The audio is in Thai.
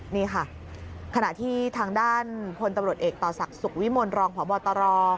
นี่ค่ะขณะที่ทางด้านพลตำรวจเอกต่อศักดิ์สุขวิมลรองพบตร